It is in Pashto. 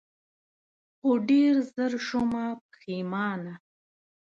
خو ډېر زر شومه پښېمانه